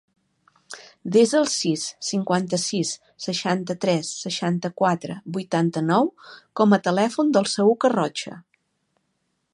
Desa el sis, cinquanta-sis, seixanta-tres, seixanta-quatre, vuitanta-nou com a telèfon del Saüc Arrocha.